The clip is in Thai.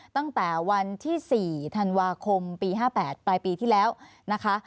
ตั้งแต่วันที่๔ธันวาคมปี๕๘ปลายปีที่แล้วนะคะ